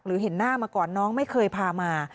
เห็นหน้ามาก่อนน้องไม่เคยพามา